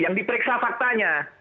yang diperiksa faktanya